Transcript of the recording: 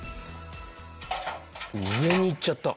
上に行っちゃった。